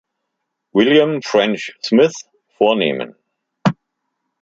William French Smith vornehmen.